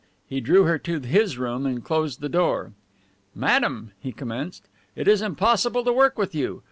He drew her to his room and closed the door. "Madame," he commenced, "it is impossible to work with you.